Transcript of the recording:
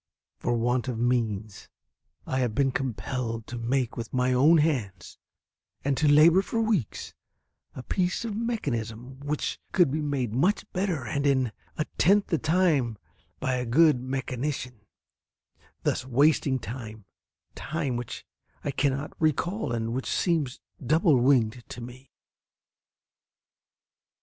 For want of means I have been compelled to make with my own hands (and to labor for weeks) a piece of mechanism which could be made much better, and in a tenth the time, by a good mechanician, thus wasting time time which I cannot recall and which seems double winged to me.